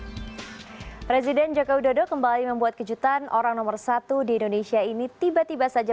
hai presiden joko widodo kembali membuat kejutan orang nomor satu di indonesia ini tiba tiba saja